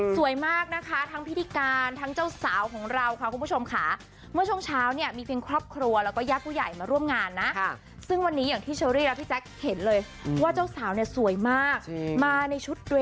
สวยมากนะคะทั้งพิธีการทั้งเจ้าสาวของเราค่ะคุณผู้ชมค่ะ